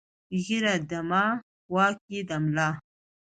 ـ ږيره دما، واک يې د ملا.